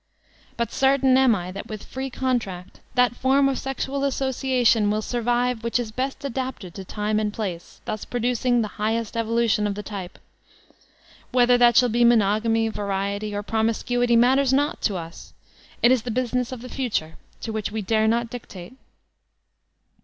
But certain am I that with free con tract, that form of sexual association wiU survive which is best adapted to time and place, thus producing the highest evolution of the type. Whether that shall be monogamy, variety, or promiscuity matters naught to us; it b the business of the future, to which we dare not dictate.